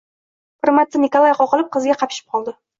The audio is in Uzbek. Bir marta Nikolay qoqilib, qizga qapishib qoldi